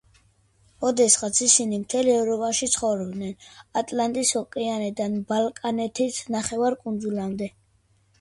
ოდესღაც ისინი მთელ ევროპაში ცხოვრობდნენ, ატლანტის ოკეანიდან ბალკანეთის ნახევარკუნძულამდე.